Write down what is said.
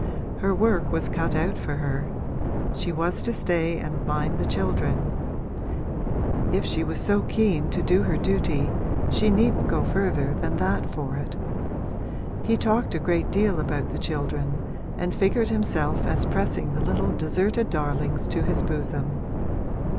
Her work was cut out for her she was to stay and mind the children: if she was so keen to do her duty she needn't go further than that for it. He talked a great deal about the children and figured himself as pressing the little deserted darlings to his bosom.